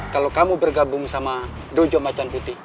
kalau kamu bergabung sama dojo macan putih